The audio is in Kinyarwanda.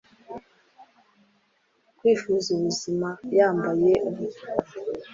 kwifuza ubuzima yambaye umutuku